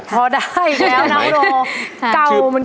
พอได้อีกแล้ว